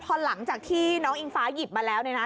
พอหลังจากที่น้องอิงฟ้าหยิบมาแล้วเนี่ยนะ